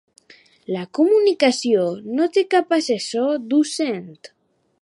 La comunicació no té cap assessor docent.